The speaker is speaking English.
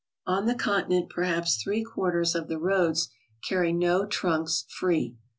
On the Continent perhaps three quarters of the roads carry no trunks free.